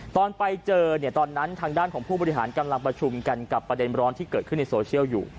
ตอนไปเจอเนี่ยตอนนั้นทางด้านของผู้บริหารกำลังประชุมกันกับประเด็นร้อนที่เกิดขึ้นในโซเชียลอยู่